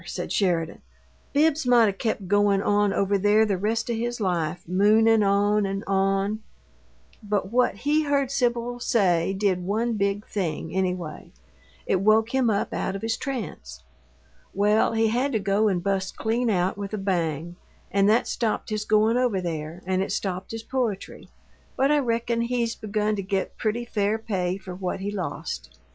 said Sheridan. "Bibbs might 'a' kept goin' on over there the rest of his life, moonin' on and on, but what he heard Sibyl say did one big thing, anyway. It woke him up out of his trance. Well, he had to go and bust clean out with a bang; and that stopped his goin' over there, and it stopped his poetry, but I reckon he's begun to get pretty fair pay for what he lost.